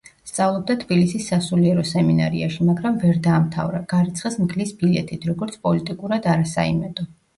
სწავლობდა თბილისის სასულიერო სემინარიაში, მაგრამ ვერ დაამთავრა, გარიცხეს „მგლის ბილეთით“, როგორც პოლიტიკურად არასაიმედო.